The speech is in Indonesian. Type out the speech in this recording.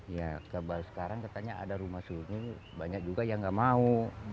ya sekarang katanya ada rumah sunyi banyak juga yang nggak mau